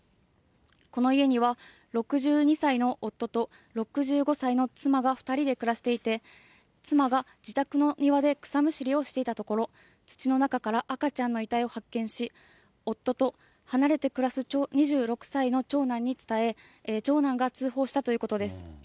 この家には６２歳の夫と６５歳の妻が２人で暮らしていて、妻が自宅の庭で草むしりをしていたところ、土の中から赤ちゃんの遺体を発見し、夫と離れて暮らす２６歳の長男に伝え、長男が通報したということです。